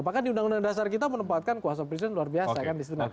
bahkan di undang undang dasar kita menempatkan kuasa presiden luar biasa kan di situ